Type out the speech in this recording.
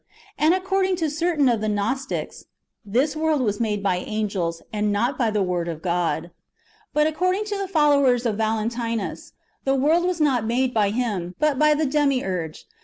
And, according to certain of the Gnostics, this world was made by angels, and not by the Word of God. But ac cording to the followers of Valentinus, the world was not made by Him, but by the Demiurge.